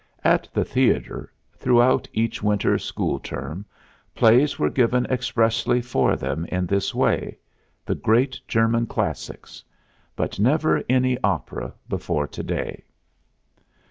At the theater, throughout each winter school term, plays were given expressly for them in this way the great German classics; but never any opera before to day.